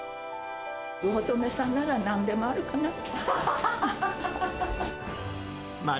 魚留さんならなんでもあるかなと。